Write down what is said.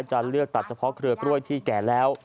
จะเลือกตัดเฉพาะเครือกล้วยที่แก่แล้ว